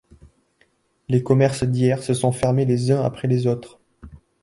Les commerces d'hier se sont fermés les uns après les autres.